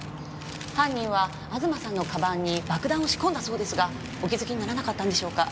犯人は東さんの鞄に爆弾を仕込んだそうですがお気づきにならなかったんでしょうか？